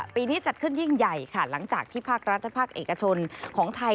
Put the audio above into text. ปีนี้จัดขึ้นยิ่งใหญ่ค่ะหลังจากที่ภาครัฐและภาคเอกชนของไทย